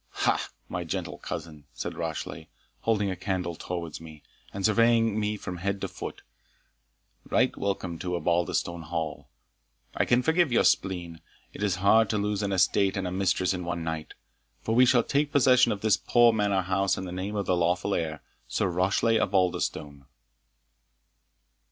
"Ha! my gentle cousin," said Rashleigh, holding a candle towards me, and surveying me from head to foot; "right welcome to Osbaldistone Hall! I can forgive your spleen It is hard to lose an estate and a mistress in one night; for we shall take possession of this poor manor house in the name of the lawful heir, Sir Rashleigh Osbaldistone."